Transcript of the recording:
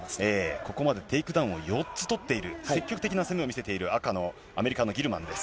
ここまでテイクダウンを４つ取っている、積極的な攻めを見せている赤のアメリカのギルマンです。